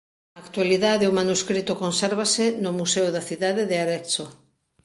Na actualidade o manuscrito consérvase no museo da cidade de Arezzo.